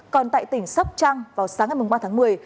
còn tại tỉnh sắp trăng vào sáng ngày ba một mươi